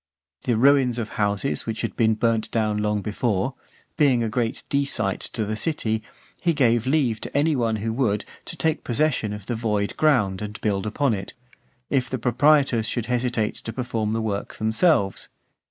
The ruins of houses which had been burnt down long before, being a great desight to the city, he gave leave to any one who would, to take possession of the void ground and build upon it, if the proprietors should hesitate to perform the work themselves.